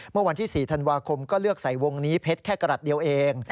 เมื่อวันที่๔ธันวาคมก็เลือกใส่วงนี้เพชรแค่กระหัดเดียวเอง